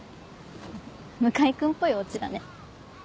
向井君っぽいオチだね。